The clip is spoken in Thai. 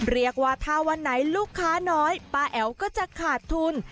เรียกว่าถ้าวันไหนลูกค้าน้อยป้าแอ๋วก็จะขาดทุน